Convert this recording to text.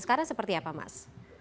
sekarang seperti apa mas